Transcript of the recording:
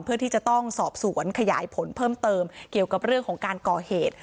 เพื่อที่จะต้องสอบสวนขยายผลเพิ่มเติมเกี่ยวกับเรื่องของการก่อเหตุ